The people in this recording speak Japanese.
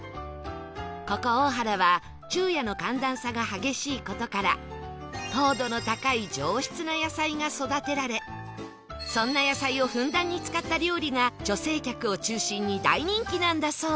ここ大原は昼夜の寒暖差が激しい事から糖度の高い上質な野菜が育てられそんな野菜をふんだんに使った料理が女性客を中心に大人気なんだそう